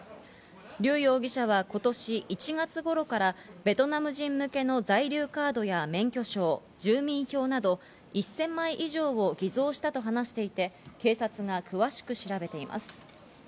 リュウ容疑者は今年１月頃からベトナム人向けの在留カードや免許証を住民票など１０００枚以上、偽造したと話していて、警察が詳しく調べています。